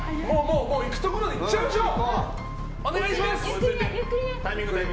いくところまでいっちゃいましょう。